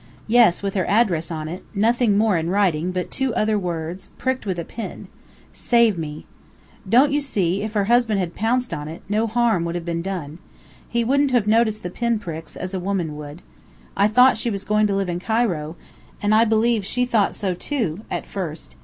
"Yes, with her address on it nothing more in writing: but two other words, pricked with a pin. 'Save me.' Don't you see, if her husband had pounced on it, no harm would have been done. He wouldn't have noticed the pin pricks, as a woman would. I thought she was going to live in Cairo, and I believe she thought so too, at first.